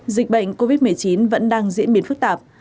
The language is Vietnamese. dịch bệnh covid một mươi chín vẫn đang diễn biến phức tạp